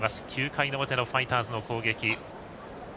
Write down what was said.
９回の表のファイターズの攻撃。